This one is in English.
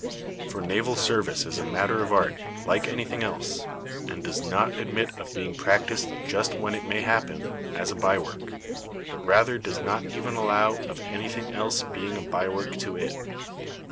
For naval service is a matter of art, like anything else; and does not admit of being practised just w^hen it may happen, as a by work; but rather does not even allow of any thing else being a bywork to it.